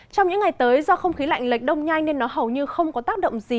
trong những ngày tới do không khí lạnh lệch đông nhanh nên nó hầu như không có tác động gì